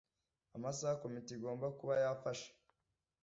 amasaha Komite igomba kuba yafashe